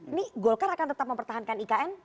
ini golkar akan tetap mempertahankan ikn